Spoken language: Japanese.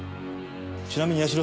ちなみに社さん。